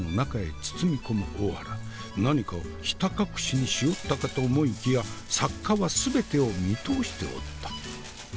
何かをひた隠しにしおったかと思いきや作家は全てを見通しておった。